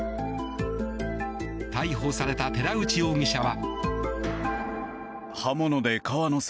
逮捕された寺内容疑者は。